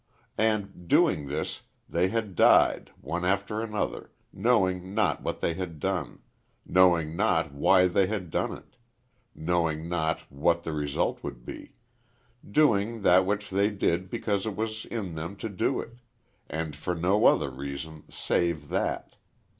And, doing this, they had died, one after another, knowing not what they had done knowing not why they had done it knowing not what the result would be doing that which they did because it was in them to do it; and for no other reason save that.